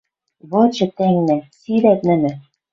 «Вычы, тӓнгнӓ, — сирӓт нӹнӹ, —